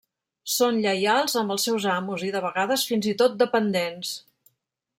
Són lleials amb els seus amos i de vegades, fins i tot, dependents.